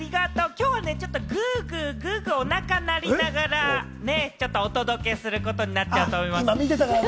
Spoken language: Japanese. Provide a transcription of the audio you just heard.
きょうはちょっとグーグーおなかが鳴りながらお届けすることになっちゃうと思います。